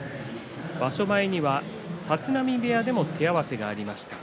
場所前には立浪部屋で手合わせがありました。